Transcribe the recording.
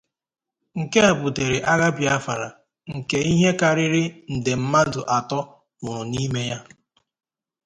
Nke a butere agha Biafra nke ihe karịrị nde mmadụ atọ nwụrụ n'ime ya.